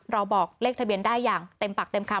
บอกเลขทะเบียนได้อย่างเต็มปากเต็มคำ